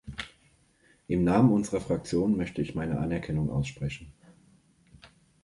Im Namen unserer Fraktion möchte ich meine Anerkennung aussprechen.